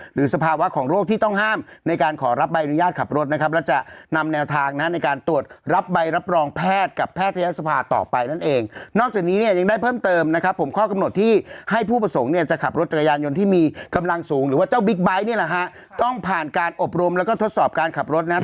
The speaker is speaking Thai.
หรือว่าเจ้าบิ๊กไบท์นี่แหละฮะต้องผ่านการอบรมแล้วก็ทดสอบการขับรถนะครับ